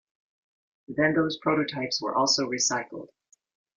Then those prototypes were also recycled.